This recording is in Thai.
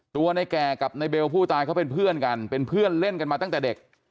ตัวในแก่กับในเบลผู้ตายเขาเป็นเพื่อนกันเป็นเพื่อนเล่นกันมาตั้งแต่เด็ก